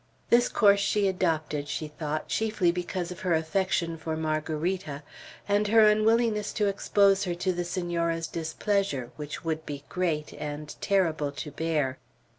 This course she adopted, she thought, chiefly because of her affection for Margarita, and her unwillingness to expose her to the Senora's displeasure, which would be great, and terrible to bear.